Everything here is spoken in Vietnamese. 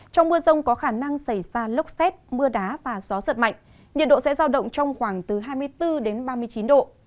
trong mưa rông có khả năng xảy ra lốc xét mưa đá và gió giật mạnh nhiệt độ sẽ giao động trong khoảng từ hai mươi bốn đến ba mươi chín độ